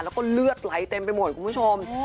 แล้วก็เลือดไหลเต็มไปหมดคุณผู้ชม